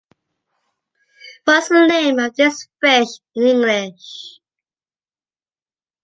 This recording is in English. What’s the name of this fish in English?